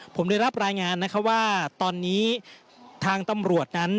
ผมได้รับรายงานนะคะว่าตอนนี้ทางตำรวจนั้น